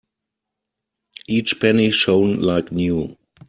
Each penny shone like new.